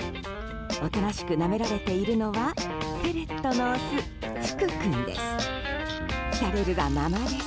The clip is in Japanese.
おとなしくなめられているのはフェレットのオス、ぷく君です。